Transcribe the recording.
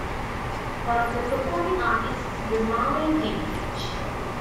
One of the performing artists was Marlene Dietrich.